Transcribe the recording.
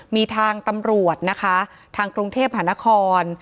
มีทางตำรวจนะคะทางกรุงเทพหานคร